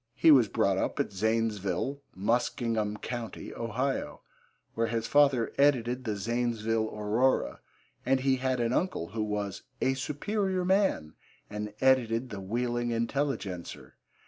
He was brought up at Zanesville, Muskingum Co., Ohio, where his father edited the Zanesville Aurora, and he had an uncle who was 'a superior man' and edited the Wheeling Intelligencer.